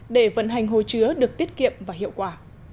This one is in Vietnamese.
để vận hành hồ chứa được tiết kiệm và hiệu quả